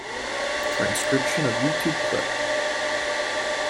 Transcription of YouTube clip.